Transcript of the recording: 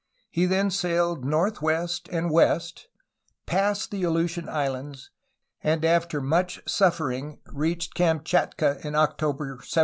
He then sailed northwest and west, passed the Aleutian Islands, and after much suffering reached Kamchatka in October 1741.